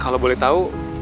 kalau boleh tahu